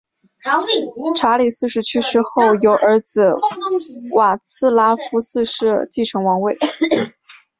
查理四世去世后由其儿子瓦茨拉夫四世继承王位。